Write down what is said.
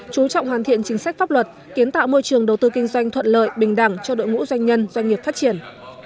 chú trọng hoàn thiện chính sách pháp luật kiến tạo môi trường đầu tư kinh doanh thuận lợi bình đẳng cho đội ngũ doanh nhân doanh nghiệp phát triển